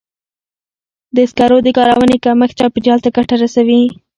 د سکرو د کارونې کمښت چاپېریال ته ګټه رسوي.